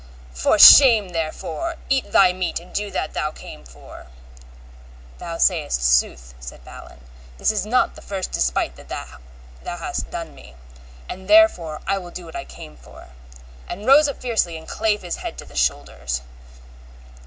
for shame therefore, eat thy meat and do that thou came for. Thou sayest sooth, said Balin, this is not the first despite that thou hast done me, and therefore I will do what I came for, and rose up fiercely and clave his head to the shoulders.